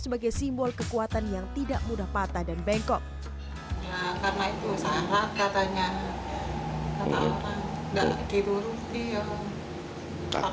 sebagai simbol kekuatan yang tidak mudah patah dan bengkok karena itu salah katanya enggak